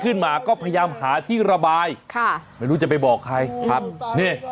ขึ้นมาก็หาที่ระบายไม่รู้จะไปบอกใครละบลาย